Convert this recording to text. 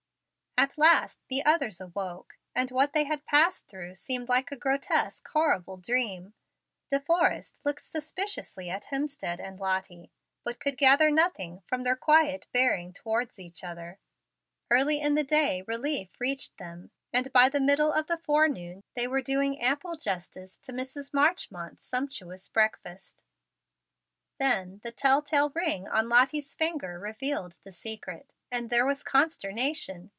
At last the others awoke, and what they had passed through seemed like a grotesque, horrible dream. De Forrest looked suspiciously at Hemstead and Lottie, but could gather nothing from their quiet bearing towards each other. Early in the day relief reached them, and by the middle of the forenoon they were doing ample justice to Mrs. Marchmont's sumptuous breakfast. Then the telltale ring on Lottie's finger revealed the secret, and there was consternation.